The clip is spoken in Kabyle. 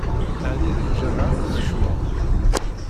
Ɛni d lǧameɛ i d-tkecmeḍ?